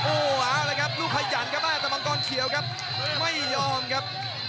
โอ้วอ่าลูกขยันครับอ่าแต่มังกรเขียวครับไม่ยอมครับ